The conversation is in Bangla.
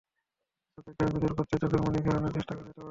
চোখের ক্লান্তি দূর করতে চোখের মণি ঘোরানোর চেষ্টা করা যেতে পারে।